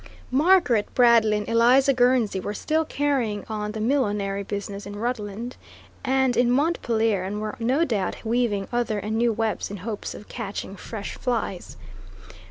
Margaret Bradley and Eliza Gurnsey were still carrying on the millinery business in Rutland, and in Montpelier, and were no doubt weaving other and new webs in hopes of catching fresh flies.